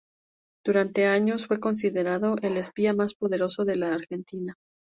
Durante años fue considerado el espía más poderoso de la Argentina.